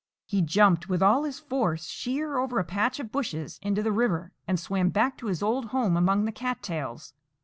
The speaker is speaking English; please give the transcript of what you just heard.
He jumped with all his force sheer over a patch of bushes into the river, and swam back to his old home among the cat tails.